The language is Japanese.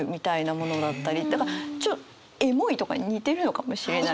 だからエモいとかに似てるのかもしれないですね。